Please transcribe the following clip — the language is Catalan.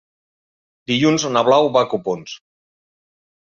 Dilluns na Blau va a Copons.